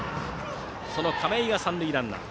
その亀井が三塁ランナー。